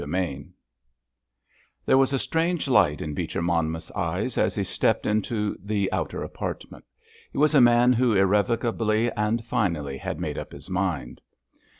CHAPTER XXIV There was a strange light in Beecher Monmouth's eyes as he stepped into the outer apartment. He was a man who irrevocably and finally had made up his mind.